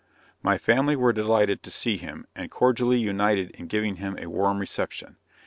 My family were delighted to see him, and cordially united in giving him a warm reception.